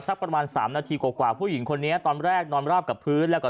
ประมาณ๓นาทีกว่าผู้หญิงคนนี้ตอนแรกนอนราบกับพื้นแล้วก็